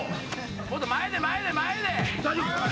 もっと前で前で前で！